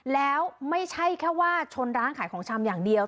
แล้วไม่ใช่แค่ว่าชนร้านขายของชำอย่างเดียว